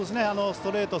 ストレート